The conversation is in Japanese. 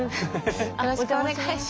よろしくお願いします。